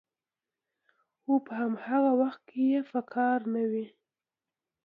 خو په هماغه وخت کې یې په کار نه وي